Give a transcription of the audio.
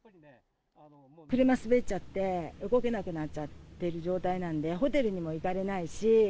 車滑っちゃって、動けなくなっちゃっている状態なので、ホテルにも行かれないし。